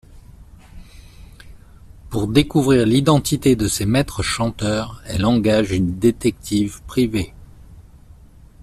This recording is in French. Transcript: Pour découvrir l'identité de ses maîtres-chanteurs, elle engage une détective privée.